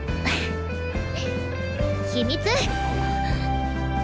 秘密！